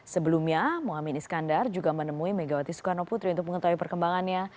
sebelumnya mohamad iskandar juga menemui megawati soekarno putri untuk mengetahui perkembangannya